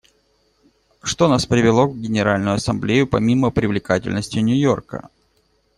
Что нас привело в Генеральную Ассамблею, помимо привлекательности Нью-Йорка?